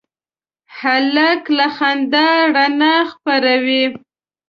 هلک له خندا رڼا خپروي.